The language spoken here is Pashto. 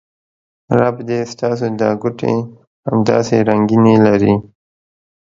رب دې ستاسو دا ګوتې همداسې رنګینې لرې